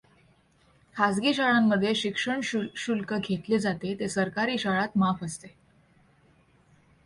खाजगी शाळांमध्ये शिक्षण शुक्ल घेतले जाते, ते सरकारी शाळात माफ असते.